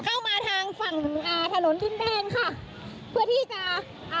เข้ามาทางฝั่งอ่าถนนทินแดงค่ะเพื่อที่จะอ่า